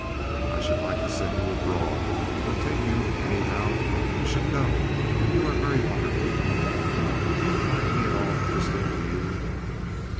I should like to send you abroad or take you—anyhow, you should go. You are very wonderful to me. Do you find me at all interesting to you?"